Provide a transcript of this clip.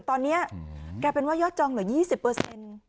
ตอนนี้กลายเป็นว่ายอดจองเหลือ๒๐